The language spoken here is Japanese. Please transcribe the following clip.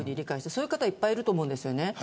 そういう方いっぱいいると思います。